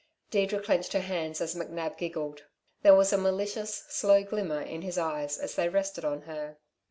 Deirdre clenched her hands as McNab giggled; there was a malicious, slow glimmer in his eyes as they rested on her.